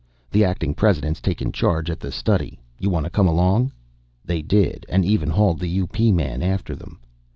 The Acting President's taken charge at the Study. You want to come along?" They did, and even hauled the U.P. man after them.